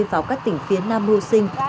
vào các tỉnh phía nam mưu sinh